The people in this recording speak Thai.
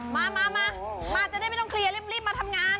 มามาจะได้ไม่ต้องเคลียร์รีบมาทำงาน